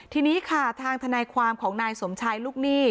ทีนี้ค่ะทางทนายความของนายสมชายลูกหนี้